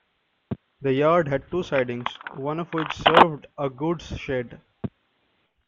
The yard had two sidings, one of which served a goods shed.